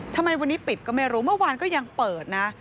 ทำไมวันนี้ปิดก็ไม่รู้เมื่อวานก็ยังเปิดนะ